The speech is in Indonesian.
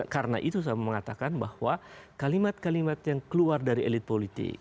karena itu saya mengatakan bahwa kalimat kalimat yang keluar dari elit politik